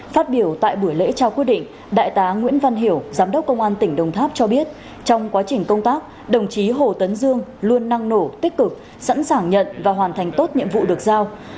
phát biểu tại buổi lễ trao quyết định đại tá nguyễn văn hiểu giám đốc công an tỉnh đồng tháp cho biết trong quá trình công tác đồng chí hồ tấn dương luôn năng nổ tích cực sẵn sàng nhận và hoàn thành tốt nhiệm vụ được giao